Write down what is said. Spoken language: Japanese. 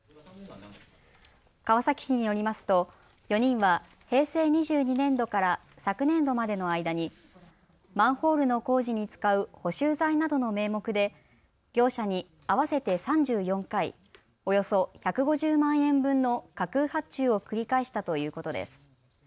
川崎市によりますと４人は平成２２年度から昨年度までの間にマンホールの工事に使う補修材などの名目で業者に合わせて３４回およそ１５０万円分の架空発注を繰り返したということです。